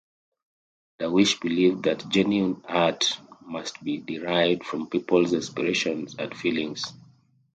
Darwish believed that genuine art must be derived from people's aspirations and feelings.